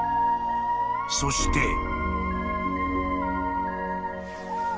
［そして］